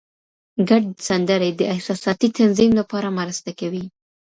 ګډ سندرې د احساساتي تنظیم لپاره مرسته کوي.